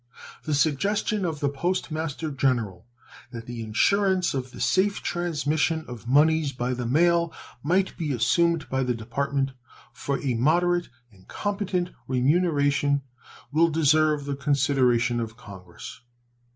The suggestion of the Post Master General that the insurance of the safe transmission of moneys by the mail might be assumed by the Department for a moderate and competent remuneration will deserve the consideration of Congress.